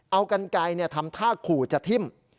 เอากันไกลทำท่าขู่จะทิ่ม